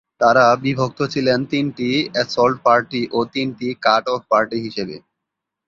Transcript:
তারা বিভক্ত ছিলেন তিনটি অ্যাসল্ট পার্টি ও তিনটি কাট অফ পার্টি হিসেবে।